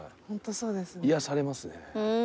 癒やされますね。